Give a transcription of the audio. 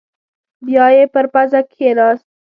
بيايې پر پزه کېناست.